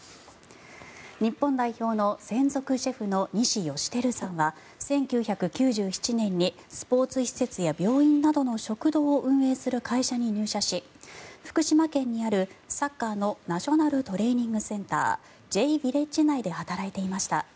日本代表の専属シェフの西芳照さんは１９９７年にスポーツ施設や病院などの食堂を運営する会社に入社し福島県にある、サッカーのナショナルトレーニングセンターＪヴィレッジ内で働いていました。